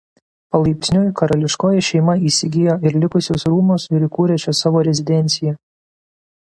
Palaipsniui karališkoji šeima įsigijo ir likusius rūmus ir įkūrė čia savo rezidenciją.